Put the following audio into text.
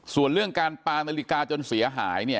ส่วนเรื่องการปานาฬิกาจนเสียหายเนี่ย